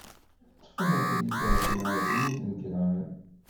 Ṭṭfen abrid, ṛuḥen ɣer tmurt n Kanɛan.